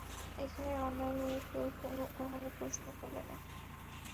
এখানের অন্যায় নিয়ে কেউ কখনো প্রশ্ন তুলে না।